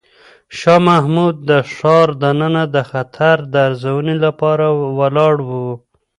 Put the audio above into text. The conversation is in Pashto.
شاه محمود د ښار دننه د خطر د ارزونې لپاره ولاړ و.